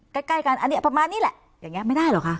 กัดใกล้กันอันเนี้ยประมาณนี้แหละอย่างเงี้ยไม่ได้หรอกค่ะ